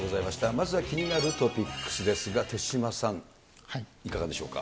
まずは気になるトピックスですが、手嶋さん、いかがでしょうか。